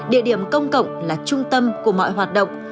địa điểm công cộng là trung tâm của mọi hoạt động